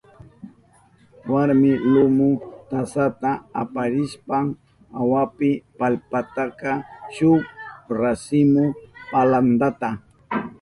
Warmi lumu tasata aparishpan awanpi paltashka shuk rasimu palantata.